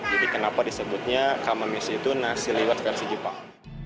jadi kenapa disebutnya kamamesi itu nasi liwet versi jepang